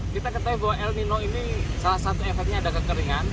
kita ketahui bahwa el nino ini salah satu efeknya ada kekeringan